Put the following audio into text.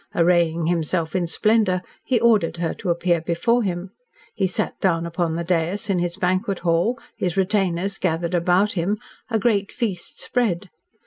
Arraying himself in splendour he ordered her to appear before him. He sat upon the dais in his banquet hall, his retainers gathered about him a great feast spread.